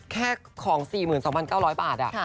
แค่ของ๔๒๙๐๐บาท